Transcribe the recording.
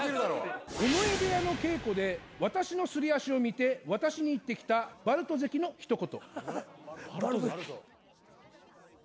尾上部屋の稽古で私のすり足を見て私に言ってきた把瑠都関の一言。